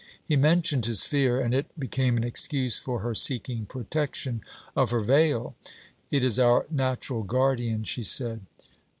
He mentioned his fear, and it became an excuse for her seeking protection of her veil. 'It is our natural guardian,' she said.